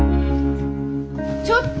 ちょっと。